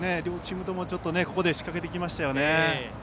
両チームともここで仕掛けてきましたね。